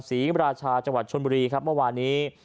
ศรีอิงบราชาจชุนบุรีครับเมื่อวานี้